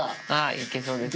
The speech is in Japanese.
いけそうですね。